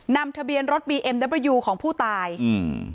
ทะเบียนรถบีเอ็มเดอร์เบอร์ยูของผู้ตายอืม